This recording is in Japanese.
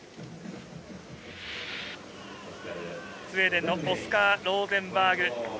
スウェーデンのオスカー・ローゼンバーグ。